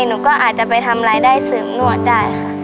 หนูก็อาจจะไปทำรายได้เสริมนวดได้ค่ะ